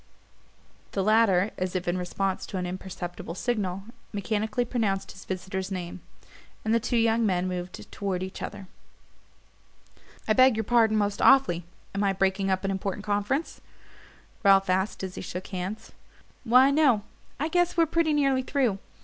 The latter, as if in response to an imperceptible signal, mechanically pronounced his visitor's name; and the two young men moved toward each other. "I beg your pardon most awfully am I breaking up an important conference?" Ralph asked as he shook hands. "Why, no I guess we're pretty nearly through.